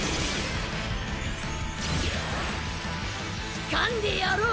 つかんでやろう